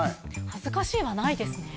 恥ずかしいはないですね